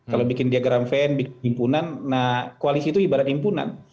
kalau bikin diagram fand bikin himpunan nah koalisi itu ibarat himpunan